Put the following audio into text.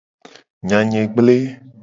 Nya nye gble.